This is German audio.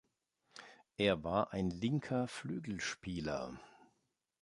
Er war ein linker Flügelspieler.